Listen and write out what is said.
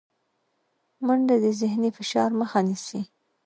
منډه د ذهني فشار مخه نیسي